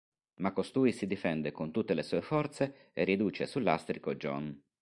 Ma costui si difende con tutte le sue forze e riduce sul lastrico John.